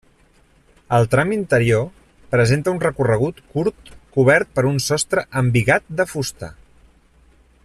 El tram interior presenta un recorregut curt cobert per un sostre embigat de fusta.